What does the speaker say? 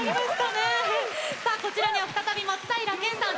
さあこちらには再び松平健さん